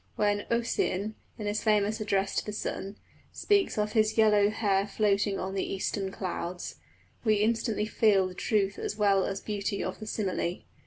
When Ossian, in his famous address to the sun, speaks of his yellow hair floating on the eastern clouds, we instantly feel the truth as well as beauty of the simile.